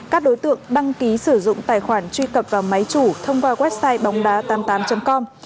các đối tượng đăng ký sử dụng tài khoản truy cập vào máy chủ thông qua website bóng đá tám mươi tám com